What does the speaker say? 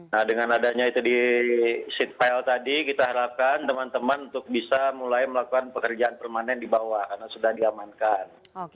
nah dengan adanya itu di seat pile tadi kita harapkan teman teman untuk bisa mulai melakukan pekerjaan permanen di bawah karena sudah diamankan